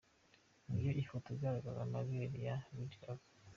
Ngiyo ifoto igaragaza amabere ya Lady Gaga!!.